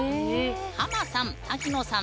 ハマさん瀧野さん